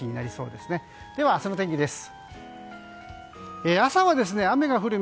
では明日の天気です。